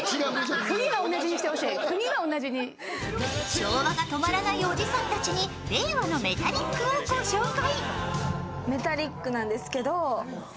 昭和が止まらないおじさんたちに令和のメタリックをご紹介。